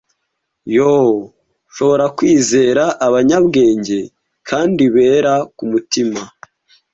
Yoo! nshobora kwizera abanyabwenge kandi bera kumutima